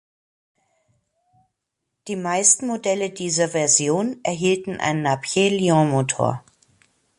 Die meisten Modelle dieser Version erhielten einen Napier-Lion-Motor.